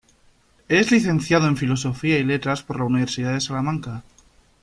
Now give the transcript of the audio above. Es licenciado en Filosofía y Letras por la Universidad de Salamanca.